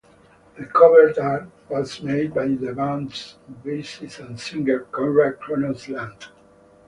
The cover art was made by the band's bassist and singer Conrad "Cronos" Lant.